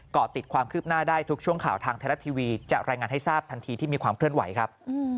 ติดความคืบหน้าได้ทุกช่วงข่าวทางไทยรัฐทีวีจะรายงานให้ทราบทันทีที่มีความเคลื่อนไหวครับ